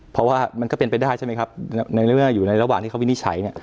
เพราะว่ามันก็เป็นไปได้ใช่ไหมครับอยู่ในระหว่างที่เขาวินิจฉัย